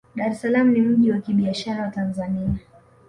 dar es salaam ni mji wa kibiashara wa tanzania